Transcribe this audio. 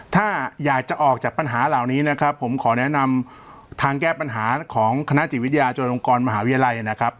ถ้าอยากจะออกจากปัญหาเหล่านี้นะครับผมขอแนะนำทางแก้ปัญหาของคณะจิตวิทยาจุฬลงกรมหาวิทยาลัยนะครับ